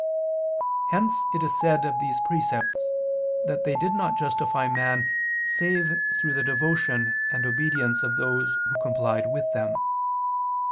Hence it is said of these precepts that they did not justify man save through the devotion and obedience of those who complied with them.